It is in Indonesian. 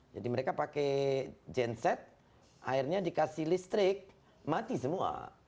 jadi mereka pakai genset akhirnya dikasih listrik mati semua